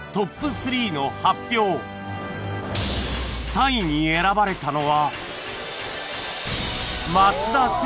３位に選ばれたのは